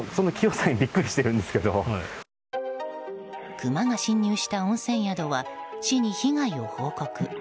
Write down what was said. クマが侵入した温泉宿は市に被害を報告。